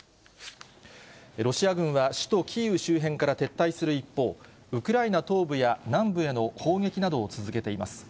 ロシア軍は首都キーウ周辺から撤退する一方、ウクライナ東部や南部への砲撃などを続けています。